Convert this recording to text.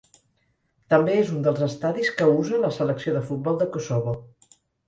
També és un dels estadis que usa la Selecció de futbol de Kosovo.